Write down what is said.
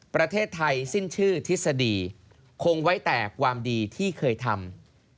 ประเทศไทยสิ้นชื่อทฤษฎีคงไว้แต่ความดีที่เคยทำ